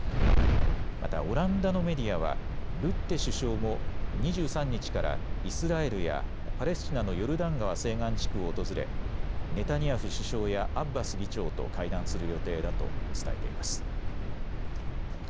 またオランダのメディアはルッテ首相も２３日からイスラエルやパレスチナのヨルダン川西岸地区を訪れネタニヤフ首相やアッバス議長と会談する予定だと伝えています。